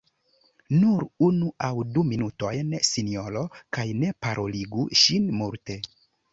Nur unu aŭ du minutojn, sinjoro; kaj ne paroligu ŝin multe.